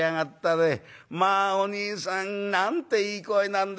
『まあおにいさんなんていい声なんでしょう。